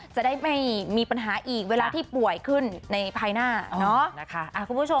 จะได้ไม่มีปัญหาอีกเวลาที่ป่วยขึ้นในภายหน้าเนาะ